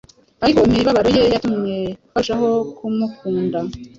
ariko imibabaro ye yatumye barushaho kumukunda.